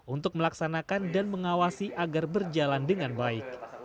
untuk melaksanakan dan mengawasi agar berjalan dengan baik